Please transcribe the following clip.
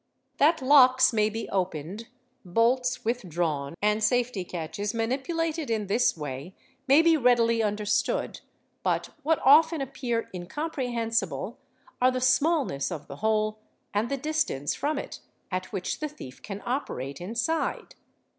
Fig. 1389. That locks may be opened, bolts withdrawn, and safety catches mani pulated in. this way may be readily understood, but what often appear incomprehensible are the smallness of the hole and the distance from it at which the thief can operate inside.